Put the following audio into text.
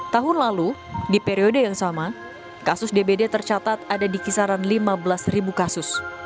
tahun lalu di periode yang sama kasus dbd tercatat ada di kisaran lima belas kasus